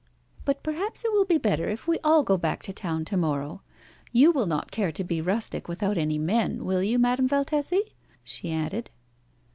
"But perhaps it will be better if we all go back to town to morrow. You will not care to be rustic without any men, will you, Madame Valtesi?" she added.